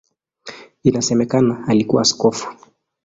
Inasemekana alikuwa askofu.